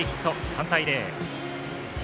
３対０。